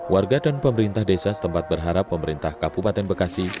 warga dan pemerintah desa setempat berharap pemerintah kabupaten bekasi